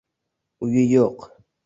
Uyi yo‘q.